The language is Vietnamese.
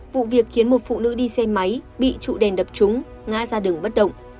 vụ việc khiến một phụ nữ đi xe máy bị trụ đèn đập chúng ngã ra đường bất động